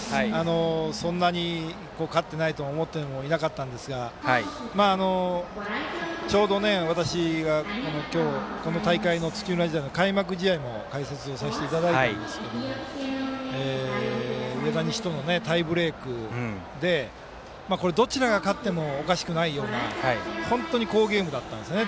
そんなに勝ってないとは思ってもいなかったんですがちょうど私が今日のこの大会の土浦日大の開幕試合も解説をさせていただいたんですけども上田西とのタイブレークでどちらが勝ってもおかしくないような本当に好ゲームだったんですね。